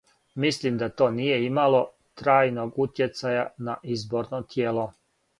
Мислим да то није имало трајног утјецаја на изборно тијело.